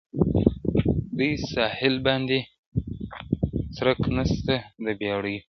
دې ساحل باندي څرک نسته د بيړیو؛